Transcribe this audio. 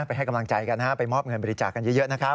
ให้กำลังใจกันไปมอบเงินบริจาคกันเยอะนะครับ